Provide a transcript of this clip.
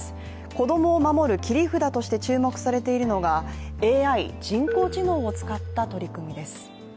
子供を守る切り札として注目されているのがＡＩ＝人工知能を使った取り組みです。